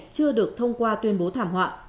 chưa được thông qua tuyên bố thảm họa